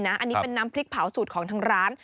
อันนี้เป็นน้ำพริกเผาสูตรของทางร้าน